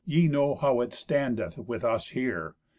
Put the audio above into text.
Ye know how it standeth with us here.